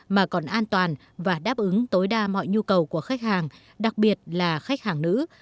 mà còn an toàn và đáp ứng tối đa mọi nhu cầu của khách hàng đặc biệt là khách hàng nữ